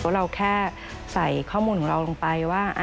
เพราะเราแค่ใส่ข้อมูลของเราลงไปว่า